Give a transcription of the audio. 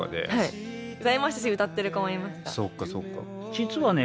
実はね